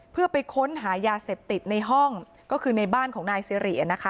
เพื่อไปค้นหายาเสพติดในห้องก็คือในบ้านของนายสิริ